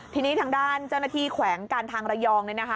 ทีนี้ทางด้านเจ้าหน้าที่แขวงการทางระยองเนี่ยนะคะ